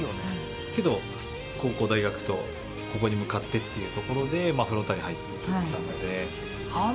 けど高校大学とここに向かってっていうところでフロンターレに入ったので。